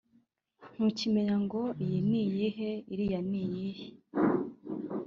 ntukimenya ngo iyi ni iyihe iriya ni iyihe